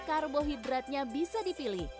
karbohidratnya bisa dipilih